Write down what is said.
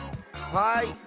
はい。